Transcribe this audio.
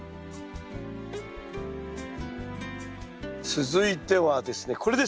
続いてはですねこれです。